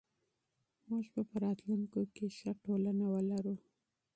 موږ به په راتلونکي کې ښه ټولنه ولرو.